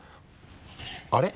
あれ？